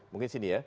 mungkin di sini ya